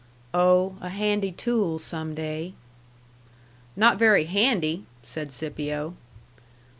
"Oh, a handy tool some day." "Not very handy," said Scipio.